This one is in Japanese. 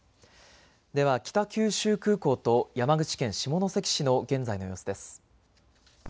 では北九州空港と山口県下関市の現在の様子です。